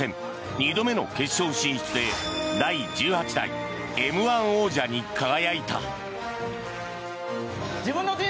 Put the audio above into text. ２度目の決勝進出で第１８代Ｍ−１王者に輝いた。